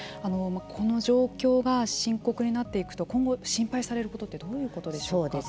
この状況が深刻になっていくと今後心配されることはどういうことでしょうか。